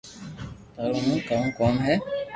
ٿارو مون ڪيوُ ڪوم ھي